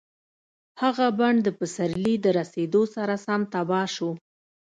هغه بڼ د پسرلي د رسېدو سره سم تباه شو.